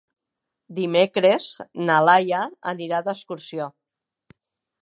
Dimecres na Laia anirà d'excursió.